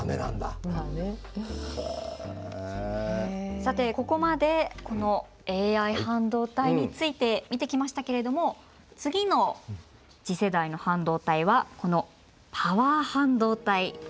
さてここまでこのＡＩ半導体について見てきましたけれども次の次世代の半導体はこのパワー半導体です。